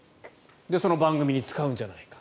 その番組に使うんじゃないか。